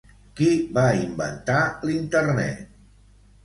Qui va inventar l'internet?